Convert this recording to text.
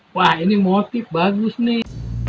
wah ini motif bagus nih